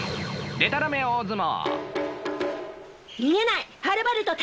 でたらめ大相撲。